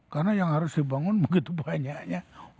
karena yang harus dibangun begitu banyaknya